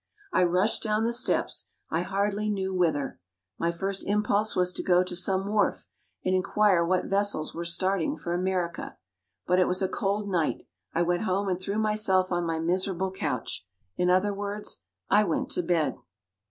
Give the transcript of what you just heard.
I rushed down the steps, I hardly knew whither. My first impulse was to go to some wharf and inquire what vessels were starting for America. But it was a cold night I went home and threw myself on my miserable couch. In other words, I went to bed.